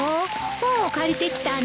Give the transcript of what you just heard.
本を借りてきたの。